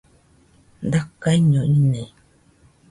Dakaiño ine